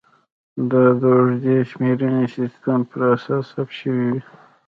دا د اوږدې شمېرنې سیستم پر اساس ثبت شوې وې